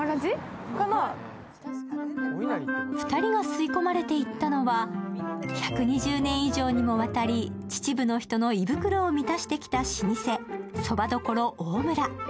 ２人が吸い込まれていったのは１２０年以上にもわたり、秩父の人の胃袋を満たしてきた老舗、そば処大むら。